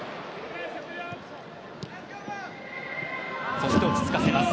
そして守田、落ち着かせます。